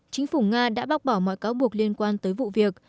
chính phủ nga đã bác bỏ mọi cáo buộc liên quan tới vụ việc